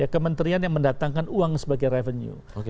kementerian yang mendatangkan uang sebagai revenue